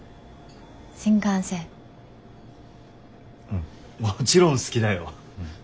うんもちろん好きだよ。